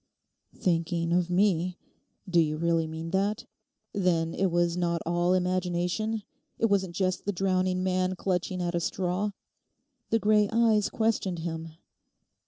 'Thinking of me? Do you really mean that? Then it was not all imagination; it wasn't just the drowning man clutching at a straw?' The grey eyes questioned him.